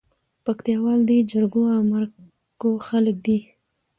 پکتياوال دي جرګو او مرکو خلک دي